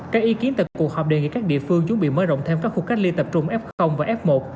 các ý kiến tại cuộc họp đề nghị các địa phương chuẩn bị mở rộng thêm các khu cách ly tập trung f và f một